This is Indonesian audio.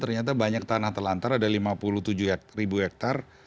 ternyata banyak tanah telantar ada lima puluh tujuh hektar